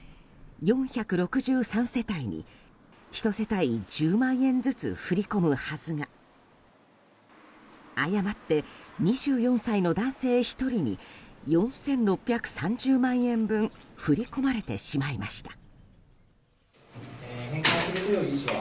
４６３世帯に１世帯１０万円ずつ振り込むはずが誤って、２４歳の男性１人に４６３０万円分振り込まれてしまいました。